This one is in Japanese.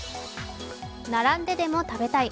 並んででも食べたい。